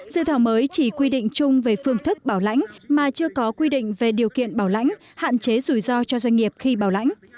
dự thảo mới chỉ quy định chung về phương thức bảo lãnh mà chưa có quy định về điều kiện bảo lãnh hạn chế rủi ro cho doanh nghiệp khi bảo lãnh